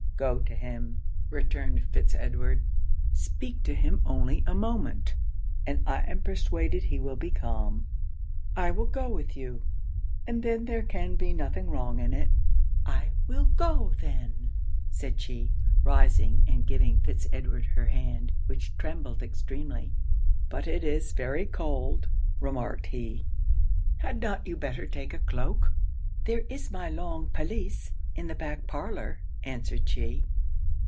'Go to him,' returned Fitz Edward; 'speak to him only a moment, and I am persuaded he will be calm. I will go with you; and then there can be nothing wrong in it.' 'I will go, then,' said she, rising and giving Fitz Edward her hand, which trembled extremely. 'But it is very cold,' remarked he: 'had not you better take a cloak?' 'There is my long pelisse in the back parlour,' answered she.